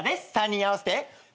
３人合わせて。